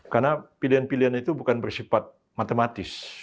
karena pilihan pilihan itu bukan bersifat matematis